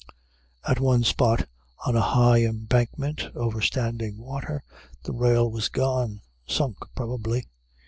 At one spot, on a high embankment over standing water, the rail was gone, sunk probably.